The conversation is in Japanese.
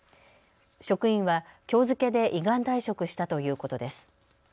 職員はきょう付けで依願退職したということです。